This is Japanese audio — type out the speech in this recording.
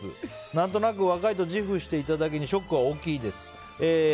何となく若いと自負していただけにショックは大きいです。